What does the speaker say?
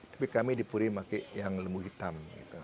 tapi kami dipuri pakai yang lembu hitam